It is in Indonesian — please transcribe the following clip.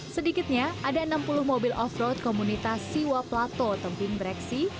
sedikitnya ada enam puluh mobil off road komunitas siwa plato temping breksi